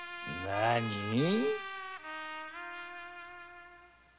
なに！